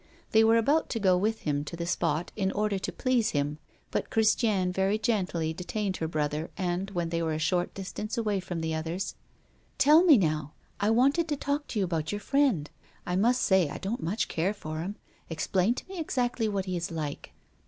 They were about to go with him to the spot in order to please him. But Christiane very gently detained her brother, and, when they were a short distance away from the others: "Tell me now! I wanted to talk to you about your friend; I must say I don't much care for him. Explain to me exactly what he is like."